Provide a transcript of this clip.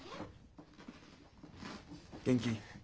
元気？